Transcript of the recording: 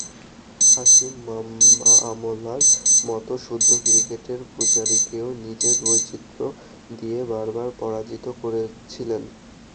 হাশিম আমলার মতো শুদ্ধ ক্রিকেটের পুজারিকেও নিজের বৈচিত্র্য দিয়ে বারবার পরাজিত করছিলেন।